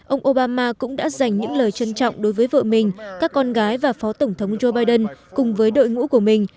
ông obama cũng đã dành những lời trân trọng đối với vợ mình các con gái và phó tổng thống joe biden cùng với đội ngũ của mình